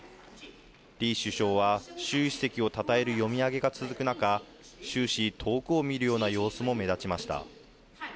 李首相は、習主席をたたえる読み上げが続く中、終始、遠くを見るような様子も目立ちました。